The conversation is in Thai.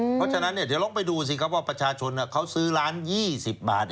เพราะฉะนั้นเดี๋ยวลองไปดูสิครับว่าประชาชนเขาซื้อร้าน๒๐บาท